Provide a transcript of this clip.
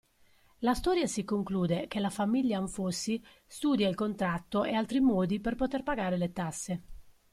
La storia si conclude che la famiglia Anfossi studia il contratto e altri modi per poter pagare le tasse.